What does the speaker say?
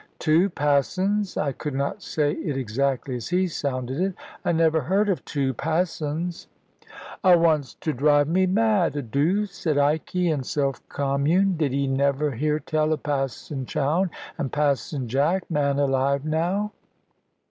"Two Passons!" I could not say it exactly as he sounded it. "I never heard of two Passons." "'A wants to draive me mad, 'a dooth," said Ikey, in self commune: "Did 'e never hear tell of Passon Chowne, and Passon Jack, man alive now?"